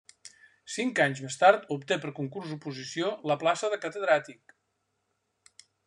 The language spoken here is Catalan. Cinc anys més tard obté per concurs oposició la plaça de catedràtic.